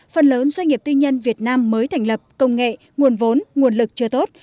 phần lớn doanh nghiệp tư nhân việt nam mới thành lập công nghệ nguồn vốn nguồn lực chưa tốt